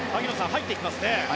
入ってきますね。